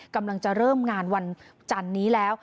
กำลังจะเริ่มงานวันจันนี้แล้ว